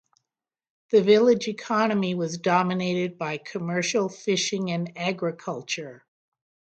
The village economy was dominated by commercial fishing and agriculture.